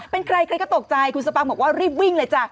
เป็นใครใครก็ตกใจคุณสปางบอกว่ารีบวิ่งเลยจ้ะ